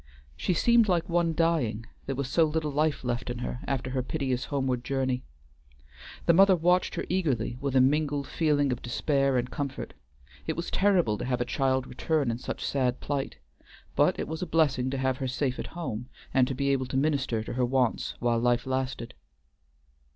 She seemed like one dying, there was so little life left in her after her piteous homeward journey. The mother watched her eagerly with a mingled feeling of despair and comfort; it was terrible to have a child return in such sad plight, but it was a blessing to have her safe at home, and to be able to minister to her wants while life lasted.